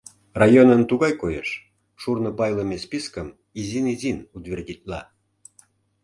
Районын тугай койыш: шурно пайлыме спискым изин-изин утвердитла.